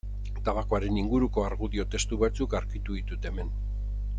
Tabakoaren inguruko argudio testu batzuk aurkitu ditut hemen.